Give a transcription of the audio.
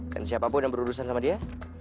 dan siapapun yang berurusan sama dia